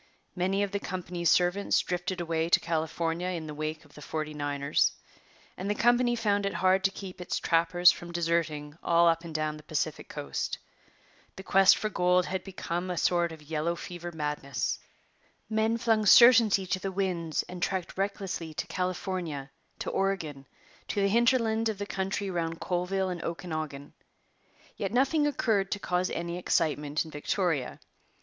Many of the company's servants drifted away to California in the wake of the 'Forty Niners,' and the company found it hard to keep its trappers from deserting all up and down the Pacific Coast. The quest for gold had become a sort of yellow fever madness. Men flung certainty to the winds and trekked recklessly to California, to Oregon, to the hinterland of the country round Colville and Okanagan. Yet nothing occurred to cause any excitement in Victoria.